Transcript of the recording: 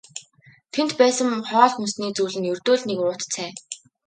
Тэнд байсан хоол хүнсний зүйл нь ердөө л нэг уут цай.